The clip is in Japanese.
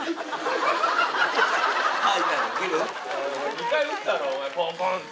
２回打ったろお前ポンポンって。